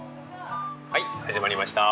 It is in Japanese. はい始まりました。